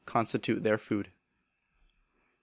constitute their food. 2162.